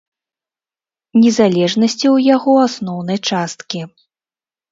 Незалежнасці ў яго асноўнай часткі.